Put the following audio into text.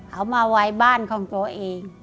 เอาไว้บ้านของตัวเอง